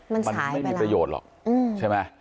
มันไม่มีประโยชน์หรอกใช่ไหม